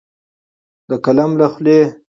د قلم له خولې